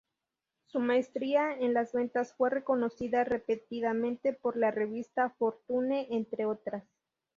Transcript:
Su maestría en las ventas fue reconocida repetidamente por la revista Fortune entre otras.